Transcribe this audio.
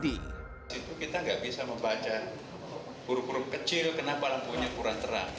di situ kita nggak bisa membaca buru buru kecil kenapa lampunya kurang terang